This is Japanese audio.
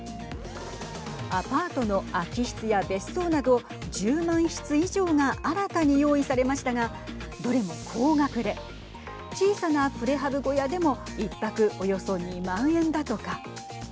アパートの空き室や別荘など１０万室以上が新たに用意されましたがどれも高額で小さなプレハブ小屋でも１泊およそ２万円だとか。